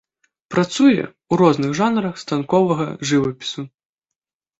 Працуе ў розных жанрах станковага жывапісу.